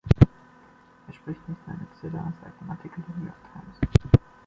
Er spricht nicht mehr mit Sidda seit dem Artikel der New York Times.